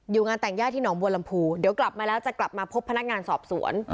งานแต่งย่าที่หนองบัวลำพูเดี๋ยวกลับมาแล้วจะกลับมาพบพนักงานสอบสวน